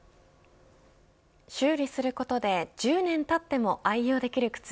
修理することで１０年たっても愛用できる靴。